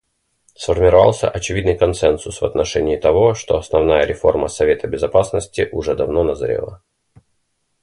Сформировался очевидный консенсус в отношении того, что основная реформа Совета Безопасности уже давно назрела.